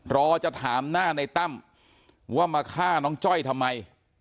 รอจะถามหน้าในตั้มว่ามาฆ่าน้องจ้อยทำไม